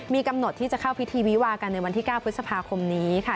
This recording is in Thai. มีกำหนดที่จะเข้าพิธีวิวากันในวันที่๙พฤษภาคมนี้ค่ะ